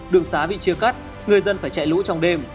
đường xá bị chia cắt người dân phải chạy lũ trong đêm